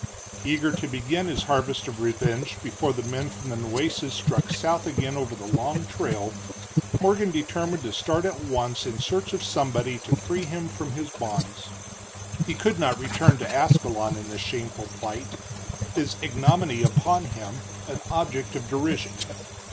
Eager to begin his harvest of revenge before the men from the Nueces struck south again over the long trail, Morgan determined to start at once in search of somebody to free him from his bonds. He could not return to Ascalon in this shameful plight, his ignominy upon him, an object of derision.